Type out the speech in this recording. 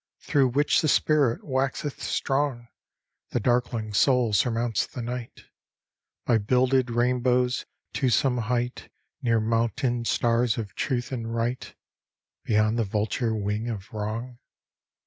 Through which the spirit waxeth strong, The darkling soul surmounts the night, By builded rainbows, to some height Near mountain stars of Truth and Right, Beyond the vulture wing of Wrong?